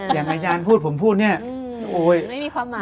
อย่างไหนจานพูดผมพูดไม่มีความหมาย